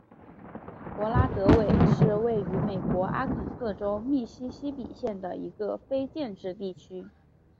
弗拉德韦是位于美国阿肯色州密西西比县的一个非建制地区。